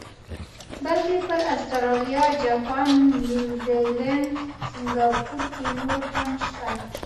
بلکې پر اسټرالیا، جاپان، نیوزیلینډ، سنګاپور کې نور هم شته.